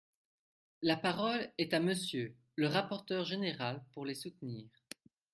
La parole est à Monsieur le rapporteur général pour les soutenir.